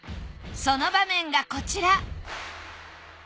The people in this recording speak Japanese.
その場面がこちら。